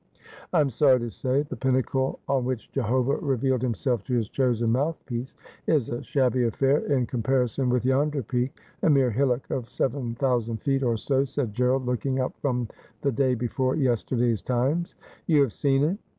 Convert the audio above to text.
' I am sorry to say the pinnacle on which Jehovah revealed Himself to His chosen mouthpiece is a shabby affair in compari son with yonder peak, a mere hillock of seven thousand feet or so,' said G erald, looking up from the day before yesterday's Times. ' You have seen it